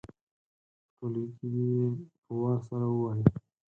په ټولګي کې دې یې په وار سره ووايي.